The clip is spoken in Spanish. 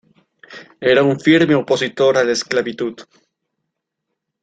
Era un firme opositor a la esclavitud.